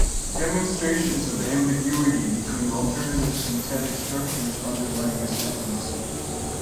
Demonstrations of ambiguity between alternative syntactic structures underlying a sentence.